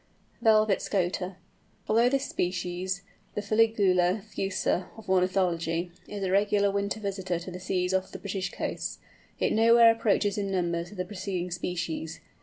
VELVET SCOTER. Although this species, the Fuligula fusca of ornithology, is a regular winter visitor to the seas off the British coasts, it nowhere approaches in numbers the preceding species.